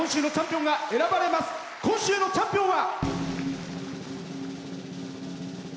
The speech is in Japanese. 今週のチャンピオンは。